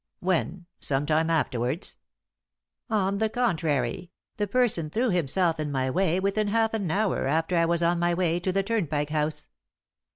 "When some time afterwards?" "On the contrary, the person threw himself in my way within half an hour after I was on my way to the Turnpike House."